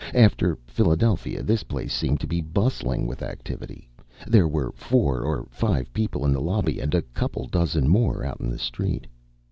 After Philadelphia, this place seemed to be bustling with activity. There were four or five people in the lobby and a couple of dozen more out in the street.